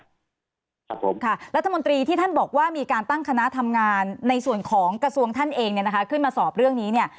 ครับผมค่ะรัฐมนตรีที่ท่านบอกว่ามีการตั้งคณะทำงานในส่วนของกระทรวงท่านเองเนี่ยนะคะขึ้นมาสอบเรื่องนี้เนี่ย